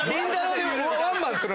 でワンバンする？